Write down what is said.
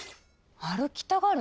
歩きたがる？